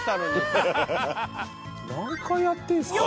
何回やってんすか。